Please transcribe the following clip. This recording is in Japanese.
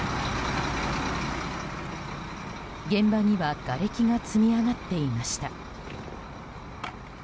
現場にはがれきが積み上がっていました。